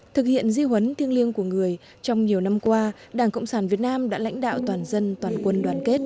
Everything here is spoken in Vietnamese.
thực hiện di huấn thiêng liêng của người trong nhiều năm qua đảng cộng sản việt nam đã lãnh đạo toàn dân toàn quân đoàn kết